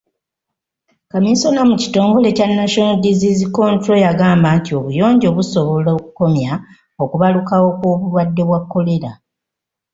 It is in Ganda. Kamiisona mu kitongole kya National Disease Control yagamba nti obuyonjo busobola okukomya okubalukawo kw'obulwadde bwa kolera.